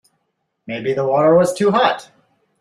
Maybe the water was too hot.